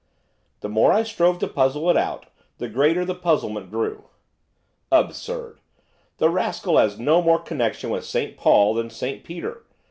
The more I strove to puzzle it out, the greater the puzzlement grew. 'Absurd! The rascal has had no more connection with St Paul than St Peter.